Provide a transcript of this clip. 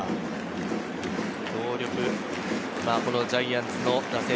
強力なジャイアンツの打線。